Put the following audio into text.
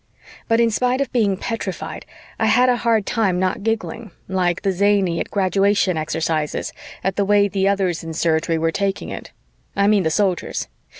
But in spite of being petrified, I had a hard time not giggling, like the zany at graduation exercises, at the way the other ones in Surgery were taking it. I mean the Soldiers.